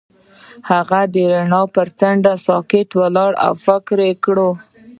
هغه د رڼا پر څنډه ساکت ولاړ او فکر وکړ.